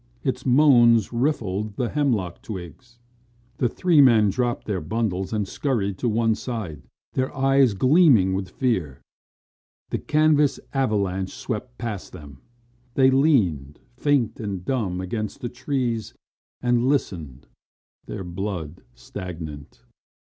Its moans riffled the hemlock twigs. The three men dropped their bundles and scurried to one side, their eyes gleaming with fear. The canvas avalanche swept past them. They leaned, faint and dumb, against trees and listened, their blood stagnant.